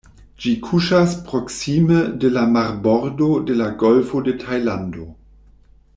Ĝi kuŝas proksime de la marbordo de la Golfo de Tajlando.